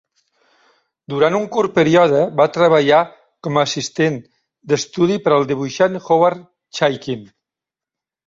Durant un curt període va treballar com a assistent d'estudi per al dibuixant Howard Chaykin.